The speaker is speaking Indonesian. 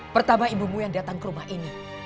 pertama ibumu yang datang ke rumah ini